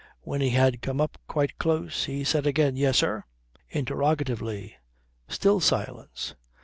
When he had come up quite close he said again, "Yes, sir?" interrogatively. Still silence.